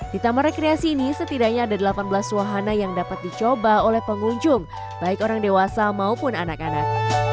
di taman rekreasi ini setidaknya ada delapan belas wahana yang dapat dicoba oleh pengunjung baik orang dewasa maupun anak anak